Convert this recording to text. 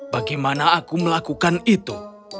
bagaimana aku melakukan itu